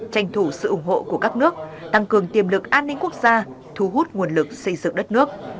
tranh thủ sự ủng hộ của các nước tăng cường tiềm lực an ninh quốc gia thu hút nguồn lực xây dựng đất nước